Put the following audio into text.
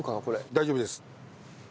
大丈夫です。